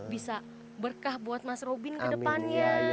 bisa berkah buat mas robin ke depannya